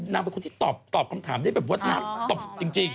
เป็นคนที่ตอบคำถามได้แบบว่าน่าตอบจริง